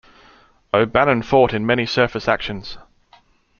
"O'Bannon" fought in many surface actions.